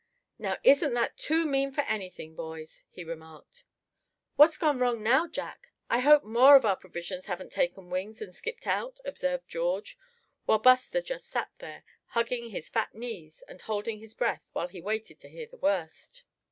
"Now, isn't that too mean for anything, boys?" he remarked. "What's gone wrong now, Jack; I hope more of our provisions haven't taken wings, and skipped out?" observed George; while Buster just sat there, hugging his fat knees and holding his breath while he waited to hear the worst.